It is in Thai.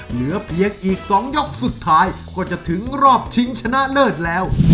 เหลือเพียงอีก๒ยกสุดท้ายก็จะถึงรอบชิงชนะเลิศแล้ว